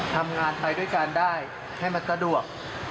ทำงานไปด้วยกันได้ให้มันสะดวก